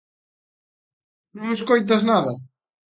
Non escoitas nada.